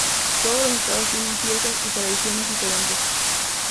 Todos los estados tienen fiestas y tradiciones diferentes.